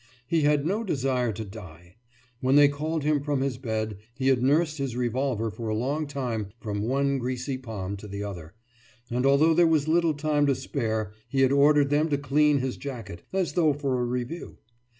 He had no desire to die. When they called him from his bed, he had nursed his revolver for a long time from one greasy palm to the other, and although there was little time to spare he had ordered them to clean his jacket, as though for a review.